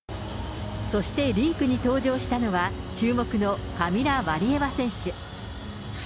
そしてリンクに登場したのは、注目のカミラ・ワリエワ選手。